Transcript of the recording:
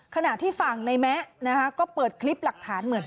ขณะที่ฝั่งในแมะนะคะก็เปิดคลิปหลักฐานเหมือน